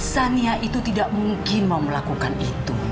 sania itu tidak mungkin mau melakukan itu